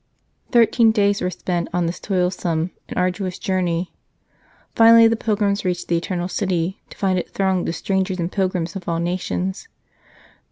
Thirteen day^werc .apcB t on this toilsome and f St. Charles Borromeo arduous journey. Finally the pilgrims reached the Eternal City, to find it thronged with strangers and pilgrims of all nations.